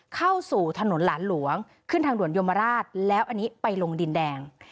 เข้าสู่ถนนหลานหลวงขึ้นทางด่วนยมราชแล้วอันนี้ไปลงดินแดง